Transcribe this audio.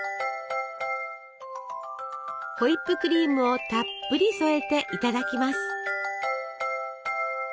ホイップクリームをたっぷり添えていただきます。